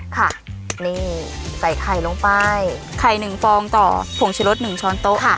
ค่ะนี่ใส่ไข่ลงไปไข่หนึ่งฟองต่อผงชุรสหนึ่งช้อนโต๊ะค่ะ